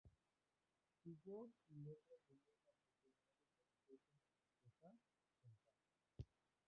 Su voz y letra le dieron la oportunidad de conocer gente, viajar, cantar.